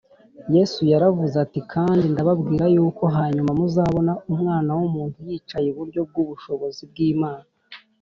yesu yaravuze ati, “kandi ndababwira yuko hanyuma muzabona umwana w’umuntu yicaye iburyo bw’ubushobozi bw’imana